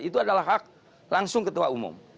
itu adalah hak langsung ketua umum